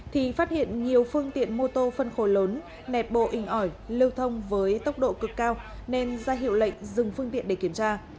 thì phát hiện nhiều phương tiện mô tô phân khối lớn nẹp bộ inh ỏi lưu thông với tốc độ cực cao nên ra hiệu lệnh dừng phương tiện để kiểm tra